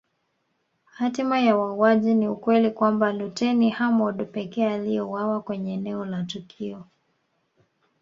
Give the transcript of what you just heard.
Hatima ya wauaji ni ukweli kwamba luteni Hamoud pekee aliyeuawa kwenye eneo la tukio